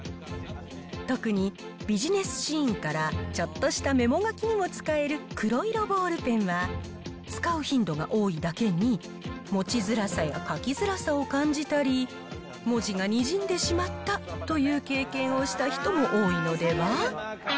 特にビジネスシーンからちょっとしたメモ書きにも使える黒色ボールペンは、使う頻度が多いだけに、持ちづらさや書きづらさを感じたり、文字がにじんでしまったという経験をした人も多いのでは？